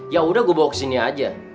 ya udah gue bawa ke sini aja